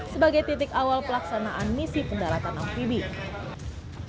sebagai titik awal pelaksanaan misi pendaratan amfibi